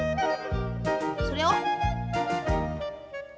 それを。